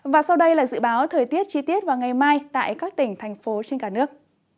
và sau đây là dự báo thời tiết chi tiết vào ngày mai tại các tỉnh thành phố trên cả nước